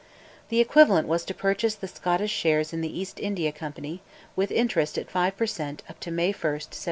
The Equivalent was to purchase the Scottish shares in the East India Company, with interest at five per cent up to May 1, 1707.